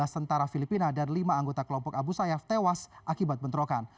dua belas tentara filipina dan lima anggota kelompok abu sayyaf tewas akibat bentrokan